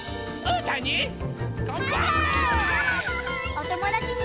おともだちに。